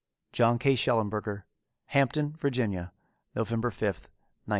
JOHN K. SHELLENBERGER. Hampton, Virginia, November 5, 1915.